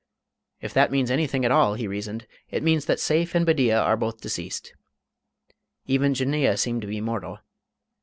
"If that means anything at all," he reasoned, "it means that Seyf and Bedeea are both deceased. Even Jinneeyeh seem to be mortal.